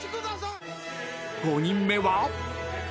［５人目は？］